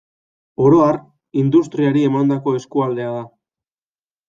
Oro har, industriari emandako eskualdea da.